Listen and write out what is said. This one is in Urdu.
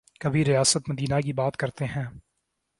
کبھی ریاست مدینہ کی بات کرتے ہیں۔